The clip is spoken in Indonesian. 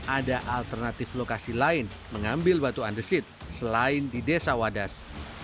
ada alternatif lokasi lain mengambil batu andesit selain di desa wadas